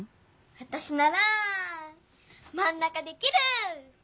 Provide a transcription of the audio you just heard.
わたしならまん中できる！